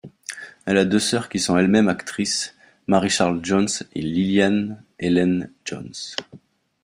Elle a deux sœurs qui sont elles-mêmes actrices Mary-Charles Jones et Lillian Ellen Jones.